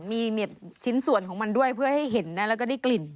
มีชิ้นส่วนของมันด้วยเพื่อให้เห็นนะแล้วก็ได้กลิ่น